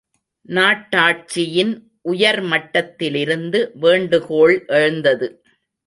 நாட்டாட்சியின் உயர்மட்டத்திலிருந்து வேண்டுகோள் எழுந்தது.